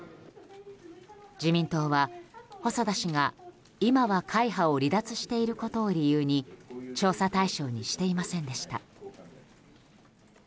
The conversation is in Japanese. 自民党は細田氏が、今は会派を離脱していることを理由に調査対象にしていませんでした。